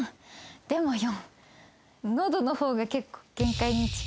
でも４。